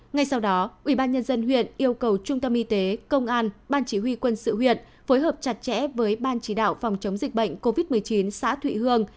ngay sau đó ubnd huyện yêu cầu trung tâm y tế công an ban chỉ huy quân sự huyện phối hợp chặt chẽ với ban chỉ đạo phòng chống dịch bệnh covid một mươi chín xã thụy hương